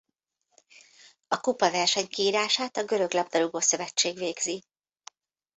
A kupa versenykiírását a Görög labdarúgó-szövetség végzi.